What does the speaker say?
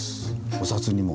お札にも？